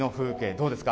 どうですか？